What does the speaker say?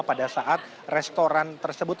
pada saat restoran tersebut